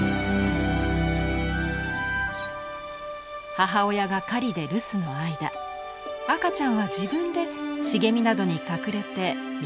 母親が狩りで留守の間赤ちゃんは自分で茂みなどに隠れて身を守るのです。